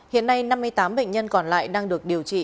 hiện nay năm mươi tám bệnh nhân còn lại đang được điều trị